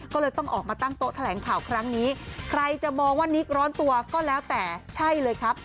ก็เลยต้องออกมาตั้งโต๊ะแถลงข่าวครั้งนี้ใครจะมองว่านิกร้อนตัวก็แล้วแต่ใช่เลยครับ